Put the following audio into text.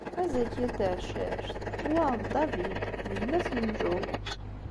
A Zakiya n Tɛeccact, wa d David, d gma-s n Joe.